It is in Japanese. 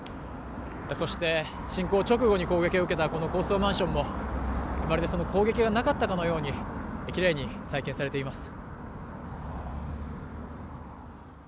そして侵攻直後に攻撃を受けた高層マンションもまるでその攻撃がなかったかのようにきれいに再建されています。